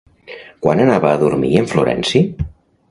Quan anava a dormir en Florenci?